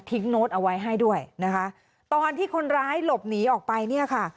โน้ตเอาไว้ให้ด้วยนะคะตอนที่คนร้ายหลบหนีออกไปเนี่ยค่ะ